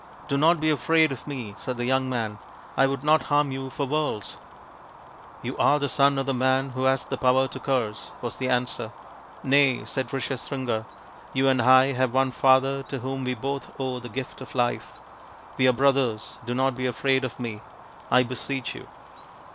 " Do not be afraid of me/' said the young man, " I would not harm you for worlds/ 5 " You are the son of the man who has the power to curse/' was the answer. " Nay/ 5 said Rishyasringa, " you and I have one Father to whom we both owe the gift of life. We are brothers. Do not be afraid of me, I beseech you."